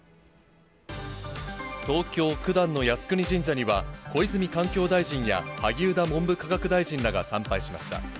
東京・九段の靖国神社には、小泉環境大臣や萩生田文部科学大臣らが参拝しました。